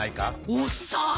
おっさん